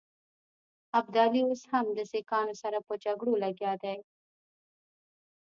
ابدالي اوس هم د سیکهانو سره په جګړو لګیا دی.